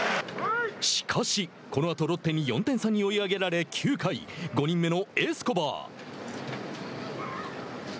しかし、このあとロッテに４点差に追い上げられ９回５人目のエスコバー。